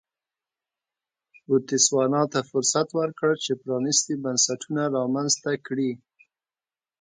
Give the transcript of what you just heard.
بوتسوانا ته فرصت ورکړ چې پرانیستي بنسټونه رامنځته کړي.